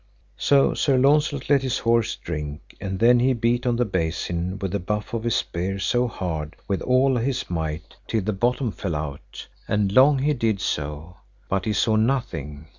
So Sir Launcelot let his horse drink, and then he beat on the basin with the butt of his spear so hard with all his might till the bottom fell out, and long he did so, but he saw nothing.